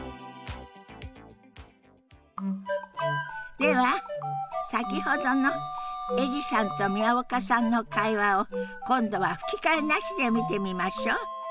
では先ほどのエリさんと宮岡さんの会話を今度は吹き替えなしで見てみましょう。